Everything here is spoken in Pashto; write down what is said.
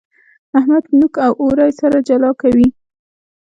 احمد نوک او اورۍ سره جلا کوي.